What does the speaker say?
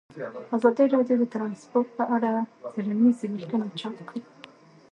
ازادي راډیو د ترانسپورټ په اړه څېړنیزې لیکنې چاپ کړي.